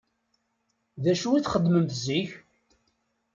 D acu i txeddmemt zik?